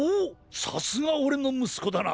さすがオレのむすこだな！